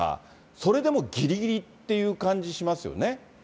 それでもぎりぎりっていう感じしますよね。